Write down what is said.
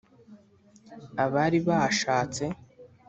Abari bashatse